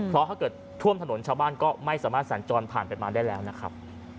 เพราะถ้าเกิดท่วมถนนชาวบ้านก็ไม่สามารถสัญจรผ่านไปมาได้แล้วนะครับ